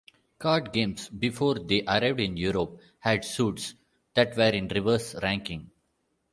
Card games, before they arrived in Europe, had suits that were in reverse ranking.